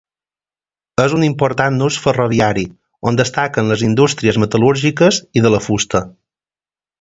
És un important nus ferroviari, on destaquen les indústries metal·lúrgiques i de la fusta.